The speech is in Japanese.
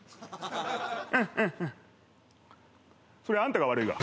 それあんたが悪いわ。